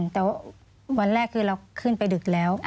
แต่วันแรกคือเราขึ้นไปดึกแล้ว